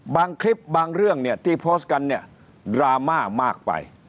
คลิปบางเรื่องเนี่ยที่โพสต์กันเนี่ยดราม่ามากไป